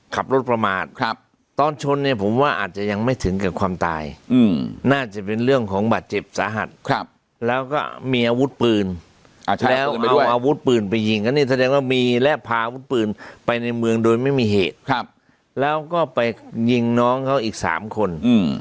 กันที่แสดงว่ามีและพาวุดปืนไปในเมืองโดยไม่มีเหตุครับแล้วก็ไปยิงน้องเขาอีกสามคนอืม